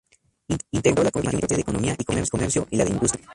Integró la comisión permanente de Economía y Comercio, y la de Industrias.